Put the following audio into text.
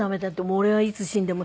「俺はいつ死んでも」。